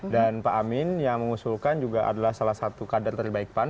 dan pak amin yang mengusulkan juga adalah salah satu kader terbaik pan